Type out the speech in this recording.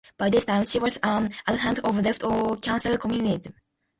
By this time she was an adherent of left or council communism.